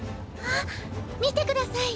あっ見てください